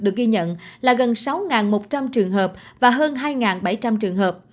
được ghi nhận là gần sáu một trăm linh trường hợp và hơn hai bảy trăm linh trường hợp